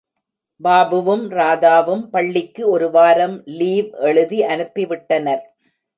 பாபுவும், ராதாவும் பள்ளிக்கு ஒரு வாரம் லீவ் எழுதி அனுப்பிவிட்டனர்.